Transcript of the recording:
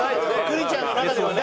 くりちゃんの中ではね。